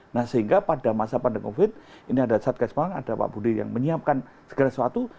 nah sehingga pada masa pandemi covid ini ada satgas pangan ada pak budi yang menyiapkan segala sesuatu